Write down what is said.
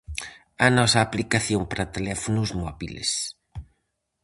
A nosa aplicación para teléfonos móbiles.